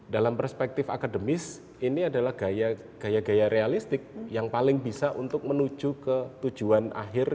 dalam perspektif akademis ini adalah gaya gaya realistik yang paling bisa untuk menuju ke tujuan akhir